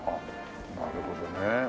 なるほどね。